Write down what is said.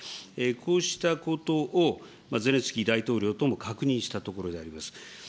こうしたことをゼレンスキー大統領とも確認したところであります。